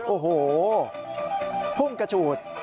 โอ้โหพุ่งกระฉูด